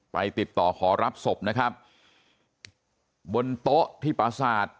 ไปติดต่อขอรับศพนะครับบนโต๊ะที่ประสาท